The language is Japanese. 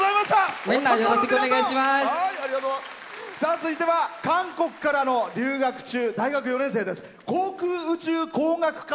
続いては韓国から留学中、大学４年生です。